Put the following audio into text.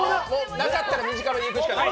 なかったら短めにするしかない。